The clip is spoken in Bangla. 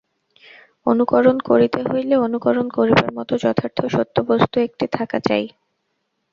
অনুকরণ করিতে হইলে অনুকরণ করিবার মত যথার্থ সত্য বস্তু একটি থাকা চাই-ই।